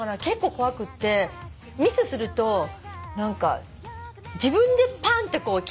結構怖くってミスすると何か自分でパン！って。